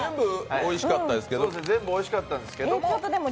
全部おいしかったですけども。